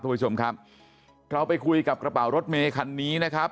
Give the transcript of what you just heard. คุณผู้ชมครับเราไปคุยกับกระเป๋ารถเมคันนี้นะครับ